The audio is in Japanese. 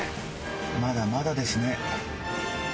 まだまだですね。